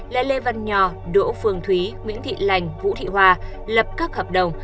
lê văn nhò đỗ phương thúy nguyễn thị lành vũ thị hòa lập các hợp đồng